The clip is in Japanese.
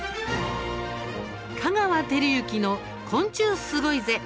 「香川照之の昆虫すごいぜ！